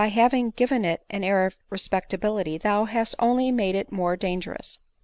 145 having given it ail air of respectability, thou hast only made it more dangerous."